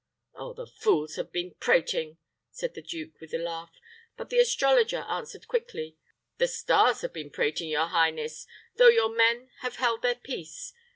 "Ah! the fools have been prating," said the duke, with a laugh; but the astrologer answered quickly, "The stars have been prating, your highness, though your men have held their peace.